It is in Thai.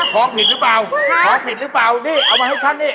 ข้อผิดหรือเปล่าเอามาให้ท่านนี่